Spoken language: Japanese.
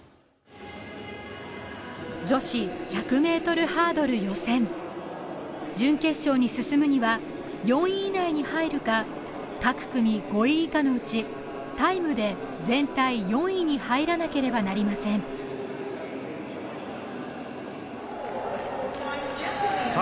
女子１００ｍハードル予選準決勝に進むには４位以内に入るか各組５位以下のうちタイムで全体４位に入らなければなりませんさあ